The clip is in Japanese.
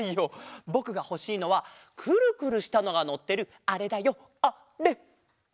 ぼくがほしいのはくるくるしたのがのってるあれだよあれ！